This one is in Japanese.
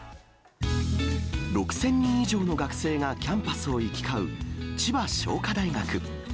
６０００人以上の学生がキャンパスを行き交う、千葉商科大学。